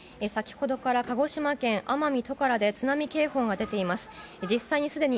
先ほどから鹿児島県奄美トカラで津波警報が出ています。